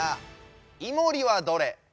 イモリはどれ？